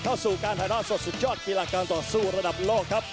มาพร้อมกับเข็มขัด๔๙กิโลกรัมซึ่งตอนนี้เป็นของวัดสินชัยครับ